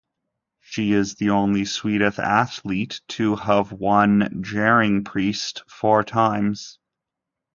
She is the only Swedish athlete to have won Jerringpriset four times.